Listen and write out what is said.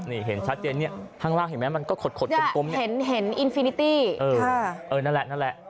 นี่เห็นชัดเจอเนี่ยข้างล่างเห็นไม๊มันก็ขดกลมมันเห็น๑๘๐๐เออนั่นแหละ